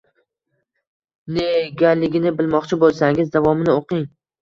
Negaligini bilmoqchi bo‘lsangiz, davomini o‘qing.